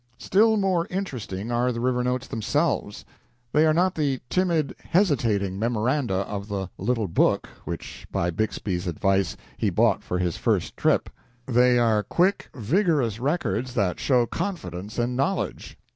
Still more interesting are the river notes themselves. They are not the timid, hesitating memoranda of the "little book" which, by Bixby's advice, he bought for his first trip. They are quick, vigorous records that show confidence and knowledge.